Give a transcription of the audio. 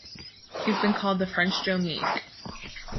He has been called "the French Joe Meek".